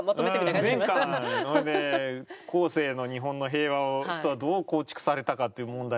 それで後世の日本の平和をどう構築されたかっていう問題でした。